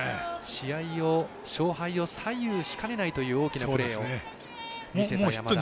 試合を勝敗を左右しかねないという大きなプレーを見せた山田。